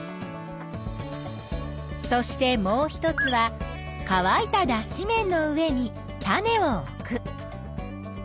そしてもう一つはかわいただっし綿の上に種を置く。